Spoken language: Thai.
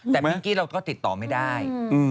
แต่เมื่อกี้เราก็ติดต่อไม่ได้